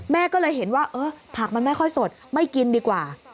แม่ก็เลยเห็นว่าเออผักมันไม่ค่อยสดไม่กินดีกว่า